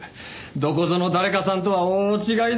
どこぞの誰かさんとは大違いだ。